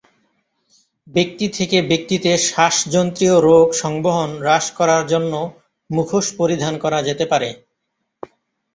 ব্যক্তি থেকে ব্যক্তিতে শ্বাসযন্ত্রীয় রোগ সংবহন হ্রাস করার জন্য মুখোশ পরিধান করা যেতে পারে।